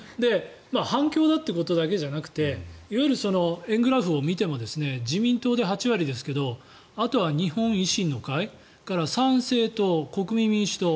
反共だってことだけじゃなくていわゆる円グラフを見ても自民党で８割ですがあとは日本維新の会それから参政党、国民民主党